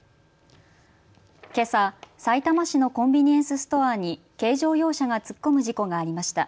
けさ、さいたま市のコンビニエンスストアに軽乗用車が突っ込む事故がありました。